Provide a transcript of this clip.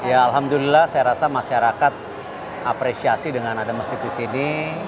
ya alhamdulillah saya rasa masyarakat apresiasi dengan ada masjid di sini